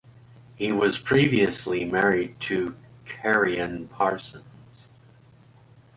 He was previously married to Karyn Parsons.